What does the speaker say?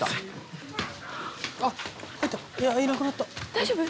大丈夫？